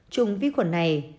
trùng vi khuẩn này